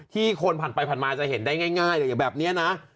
คนผ่านไปผ่านมาจะเห็นได้ง่ายอย่างแบบนี้นะ